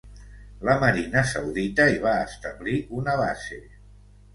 La Marina saudita hi va establir una base.